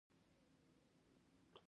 ښېګړه ښه ده.